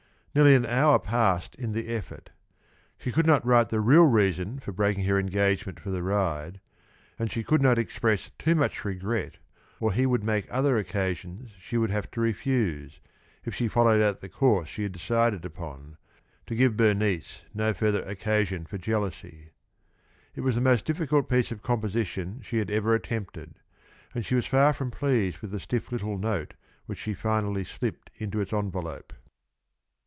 Nearly an hour passed in the effort. She could not write the real reason for breaking her engagement for the ride, and she could not express too much regret, or he would make other occasions she would have to refuse, if she followed out the course she had decided upon, to give Bernice no further occasion for jealousy. It was the most difficult piece of composition she had ever attempted, and she was far from pleased with the stiff little note which she finally slipped into its envelope.